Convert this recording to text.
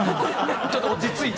ちょっと落ち着いてね。